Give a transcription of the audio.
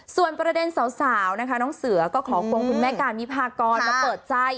ส่วนประเด็นสาวนะคะน้องเสือก็ขอควงคุณแม่การวิพากรมาเปิดใจ